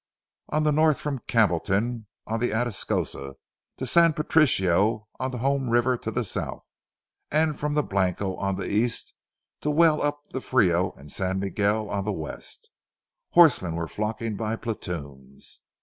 On the north from Campbellton on the Atascosa to San Patricio on the home river to the south, and from the Blanco on the east to well up the Frio and San Miguel on the west, horsemen were flocking by platoons.